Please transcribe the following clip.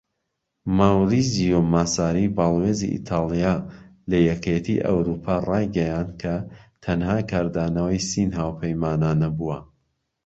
ماوریزیۆ ماساری، باڵیۆزی ئیتاڵیا لە یەکێتی ئەوروپا ڕایگەیاند کە " تەنها کاردانەوەی سین هاوپەیمانانە بووە"